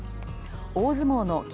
大相撲の霧